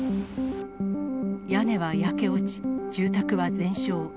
屋根は焼け落ち、住宅は全焼。